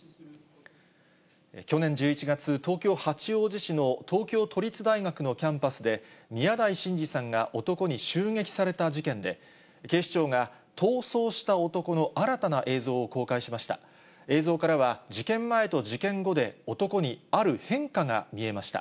去年１１月、東京・八王子市の東京都立大学のキャンパスで、宮台真司さんが男に襲撃された事件で、警視庁が、逃走した男の新たな映像を公開しました。